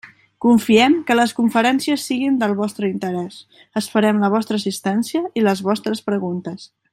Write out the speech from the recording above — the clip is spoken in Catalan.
Confiem que les conferències siguin del vostre interès, esperem la vostra assistència i les vostres preguntes.